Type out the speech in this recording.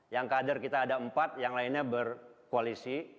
yang kader kita ada empat yang lainnya berkoalisi